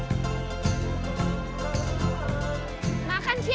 terima kasih pak